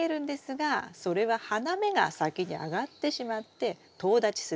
それは花芽が先にあがってしまってとう立ちする。